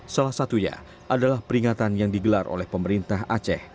salah satunya adalah peringatan yang digelar oleh pemerintah aceh